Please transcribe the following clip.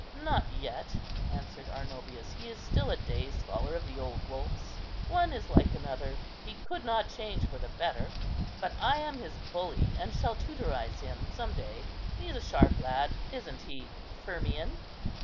"Not yet," answered Arnobius; "he is still a day scholar of the old wolf's; one is like another; he could not change for the better: but I am his bully, and shall tutorize him some day. He's a sharp lad, isn't he, Firmian?"